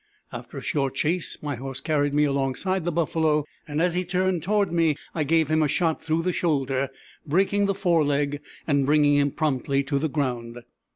After a short chase my horse carried me alongside my buffalo, and as he turned toward me I gave him a shot through the shoulder, breaking the fore leg and bringing him promptly to the ground.